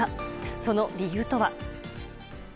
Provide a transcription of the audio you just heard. その理由とは。